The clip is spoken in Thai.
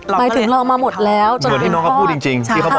หมายถึงลอกมาหมดแล้วจนผิดทอดจ่ะไหม